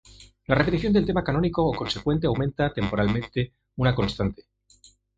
La repetición del tema canónico o consecuente aumenta temporalmente una constante.